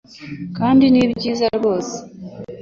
kandi ni byiza rwose.